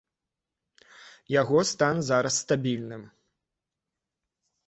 Яго стан зараз стабільны.